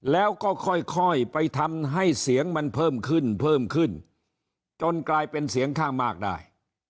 แล้วก็ค่อยไปทำให้เสียงมันเพิ่มขึ้นเพิ่มขึ้นจนกลายเป็นเสียงข้างมากได้